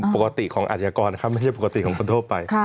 ปกติของอาชญากรนะครับไม่ใช่ปกติของคนทั่วไป